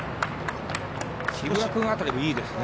木村君辺りもいいですね。